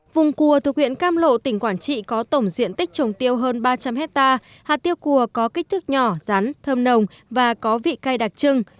vùng cùa thuộc huyện cam lộ tỉnh quảng trị có tổng diện tích trồng tiêu hơn ba trăm linh hectare hạt tiêu cùa có kích thước nhỏ rắn thơm nồng và có vị cây đặc trưng